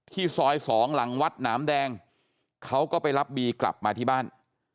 ซอย๒หลังวัดหนามแดงเขาก็ไปรับบีกลับมาที่บ้าน